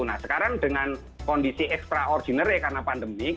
nah sekarang dengan kondisi ekstra ordinary karena pandemik